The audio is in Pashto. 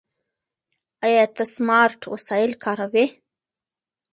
ایا ته سمارټ وسایل کاروې؟